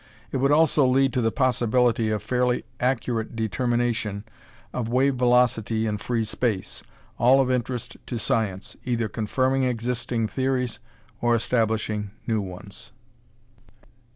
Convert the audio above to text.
It would also lead to the possibility of fairly accurate determination of wave velocity in free space, all of interest to science, either confirming existing theories or establishing new ones.